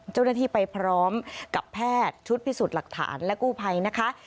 เจ้าหน้าที่ไปพร้อมกับแพทย์ชุดพิสูจน์หลักฐานและกู้ภัยนะคะ